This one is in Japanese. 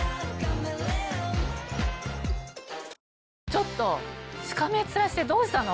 ちょっとしかめっ面してどうしたの？